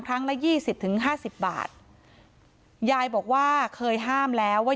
ละยี่สิบถึงห้าสิบบาทยายบอกว่าเคยห้ามแล้วว่า